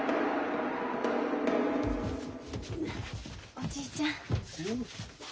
おじいちゃん。